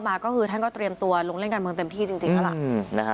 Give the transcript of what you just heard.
มาก็คือท่านก็เตรียมตัวลงเล่นการเมืองเต็มที่จริงแล้วล่ะ